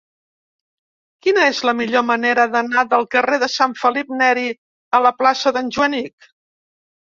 Quina és la millor manera d'anar del carrer de Sant Felip Neri a la plaça d'en Joanic?